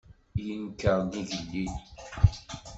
Yenker-d d igellil.